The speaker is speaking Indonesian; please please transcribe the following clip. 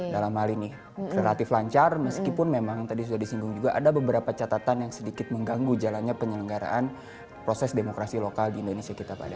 dalam hal ini relatif lancar meskipun memang tadi sudah disinggung juga ada beberapa catatan yang sedikit mengganggu jalannya penyelenggaraan proses demokrasi lokal di indonesia kita